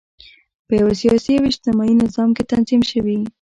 په یوه سیاسي او اجتماعي نظام کې تنظیم شوي.